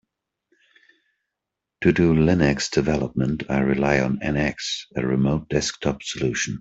To do Linux development, I rely on NX, a remote desktop solution.